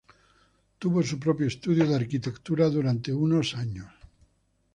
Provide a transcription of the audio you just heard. Tuvo su propio estudio de arquitectura durante unos años.